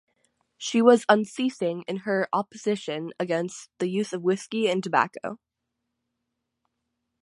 She was unceasing in her opposition against the use of whisky and tobacco.